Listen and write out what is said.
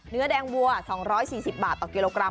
เนื้อแดงวัว๒๔๐บาทต่อกิโลกรัม